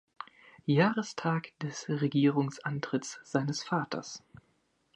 Jahrestags des Regierungsantritts seines Vaters.